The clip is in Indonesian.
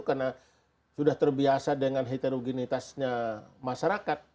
karena sudah terbiasa dengan heterogenitasnya masyarakat